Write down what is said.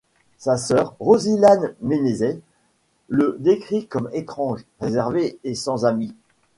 Sa sœur, Rosilane Menezes, le décrit comme étrange, réservé et sans amis.